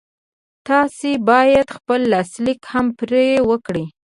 تاسې بايد خپل لاسليک هم پرې وکړئ.